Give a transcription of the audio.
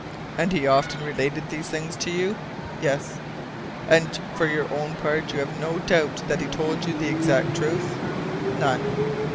"And he often related these things to you?" "Yes." "And, for your own part, you have no doubt that he told you the exact truth?" "None."